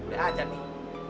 udah ajar nih